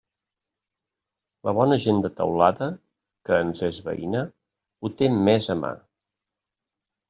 La bona gent de Teulada, que ens és veïna, ho té més a mà.